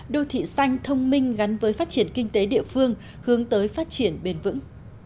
đô thị xanh thông minh gắn với phát triển kinh tế địa phương hướng tới phát triển bền vững